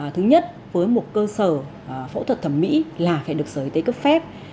thứ nhất với một cơ sở phẫu thuật thẩm mỹ là phải được giới tế cấp phép